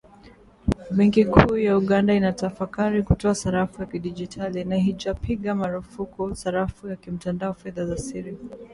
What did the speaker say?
Benki kuu ya Uganda inatafakari kutoa sarafu ya kidigitali, na haijapiga marufuku sarafu ya kimtandao fedha za siri.